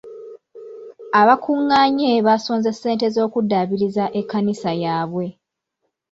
Abaakungaanye baasonze ssente z'okuddabiriza ekkanisa yaabwe.